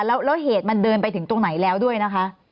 แล้วเหตุมันเดินไปถึงตรงไหนแล้วด้วยนะคะ